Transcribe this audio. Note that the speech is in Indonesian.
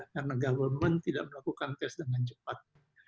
karena government tidak melakukan test dengan cepat